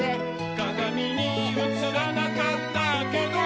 「かがみにうつらなかったけど」